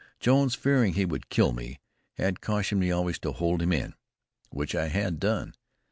Jones, fearing he would kill me, had cautioned me always to hold him in, which I had done.